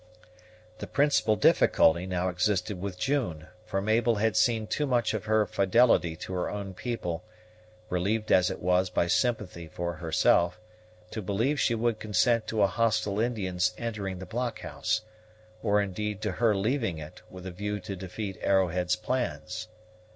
The principal difficulty now existed with June; for Mabel had seen too much of her fidelity to her own people, relieved as it was by sympathy for herself, to believe she would consent to a hostile Indian's entering the blockhouse, or indeed to her leaving it, with a view to defeat Arrowhead's plans.